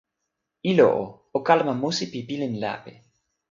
ilo o, o kalama musi pi pilin lape.